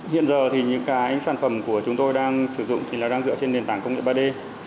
hiện giờ thì những cái sản phẩm của chúng tôi đang sử dụng thì là đang dựa trên nền tảng công nghệ ba d